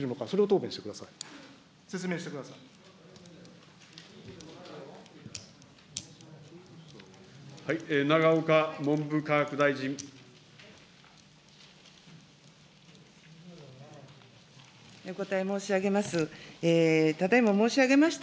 お答え申し上げます。